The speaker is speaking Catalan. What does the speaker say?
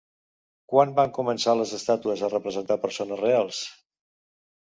Quan van començar les estàtues a representar persones reals?